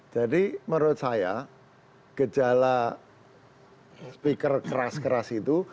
jadi menurut saya gejala speaker keras keras itu